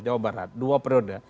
jawa barat dua periode